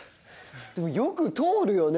でもよく通るよね